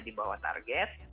di bawah target